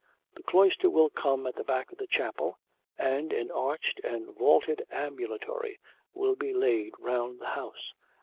'The cloister will come at the back of the chapel, and an arched and vaulted ambulatory will be laid round the house.